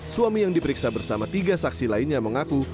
suami yang diperiksa bersama tiga saksi lainnya mengaku